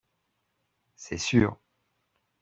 C’est sûr